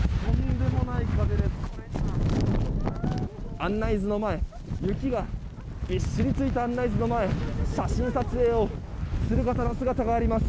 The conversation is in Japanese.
案内図の前雪がびっしりついた案内図の前写真撮影をする方の姿があります。